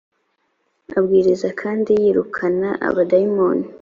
abwiriza kandi yirukana abadayimoni